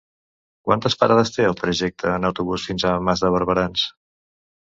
Quantes parades té el trajecte en autobús fins a Mas de Barberans?